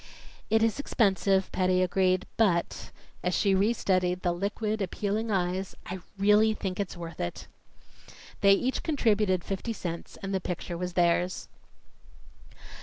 "It is expensive," Patty agreed, "but " as she restudied the liquid, appealing eyes "I really think it's worth it." They each contributed fifty cents, and the picture was theirs.